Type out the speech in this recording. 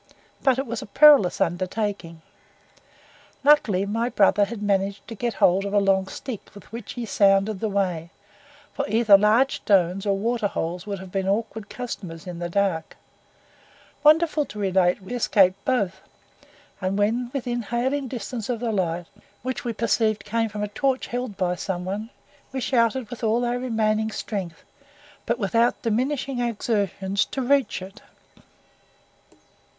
But it was a perilous undertaking. Luckily my brother had managed to get hold of a long stick with which he sounded the way, for either large stones or water holes would have been awkward customers in the dark; wonderful to relate we escaped both, and when within hailing distance of the light, which we perceived came from a torch hold by some one, we shouted with all our remaining strength, but without diminishing our exertions to reach it.